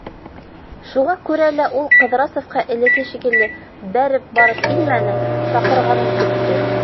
Шуға күрә лә ул Ҡыҙрасовҡа элекке шикелле «бәреп» барып инмәне, саҡырғанын көттө.